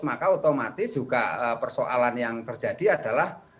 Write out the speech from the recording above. maka otomatis juga persoalan yang terjadi adalah